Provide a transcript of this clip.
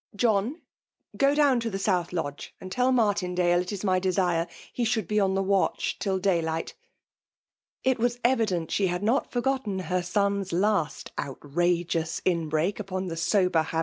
John, go down to the South Lodge, and tell Martindale it is my de« sire he should be on the watch till daylight.'* It was evident that she had not forgotten her 8on*s last outrageous inbreak upon the sober PEMiILK DOMn)ATlOI4.